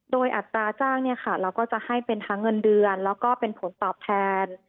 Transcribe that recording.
โดยอัตราจ้างเราก็จะให้เป็นทั้งเงินเดือนแล้วก็เป็นผลตอบแทน